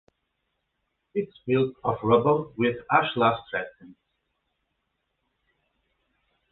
It is built of rubble with ashlar dressings.